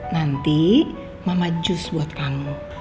nanti mama jus buat kamu